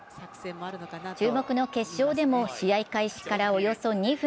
注目の決勝でも試合開始からおよそ２分。